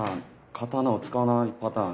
刀を使わないパターン。